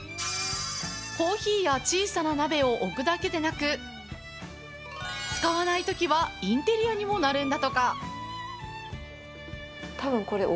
コーヒーや小さな鍋を置くだけでなく使わないときはインテリアにもなるんだとか。